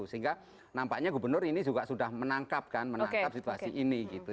sehingga nampaknya gubernur ini juga sudah menangkap kan menangkap situasi ini gitu